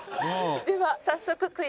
では早速クイズです。